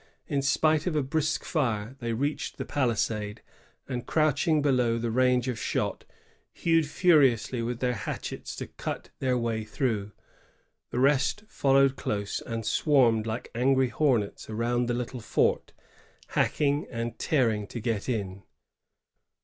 In spite of a brisk fire, they reached the paUsade, and, crouching below the range of shot, hewed furiously with their hatchets to cut their way through. The rest followed close, and swarmed like angry hornets around the little fort, hacking and tearing to get in.